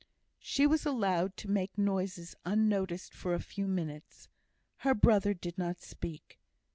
She was allowed to make noises unnoticed for a few minutes. Her brother did not speak.